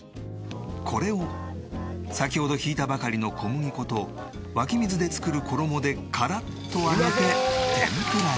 これを先ほど挽いたばかりの小麦粉と湧き水で作る衣でカラッと揚げて天ぷらに。